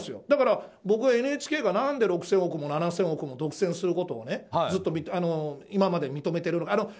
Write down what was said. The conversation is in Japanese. だから僕はＮＨＫが何で６０００億も７０００億も独占することをずっと今まで認めているのか。